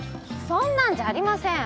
そんなんじゃありません。